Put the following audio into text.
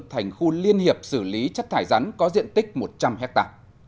thành khu liên hiệp xử lý chất thải rắn có diện tích một trăm linh ha